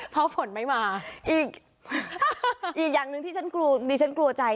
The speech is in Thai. เพราะฝนไม่มาอีกอย่างหนึ่งที่ฉันกลัวดิฉันกลัวใจ